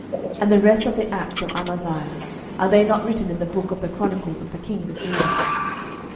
12:014:018 And the rest of the acts of Amaziah, are they not written in the book of the chronicles of the kings of Judah?